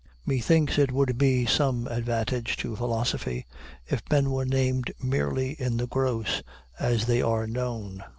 Methinks it would be some advantage to philosophy, if men were named merely in the gross, as they are known.